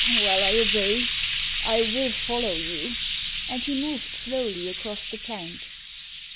Well, I obey. I will follow you." And he moved slowly across the plank.